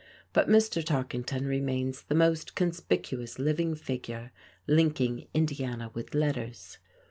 But Mr. Tarkington remains the most conspicuous living figure linking Indiana with letters.